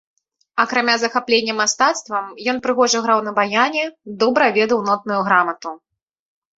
Акрамя захаплення мастацтвам, ён прыгожа граў на баяне, добра ведаў нотную грамату.